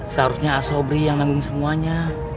seharusnya asobri yang nanggung semuanya